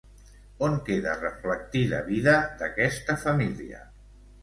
On queda reflectida vida d'aquesta família?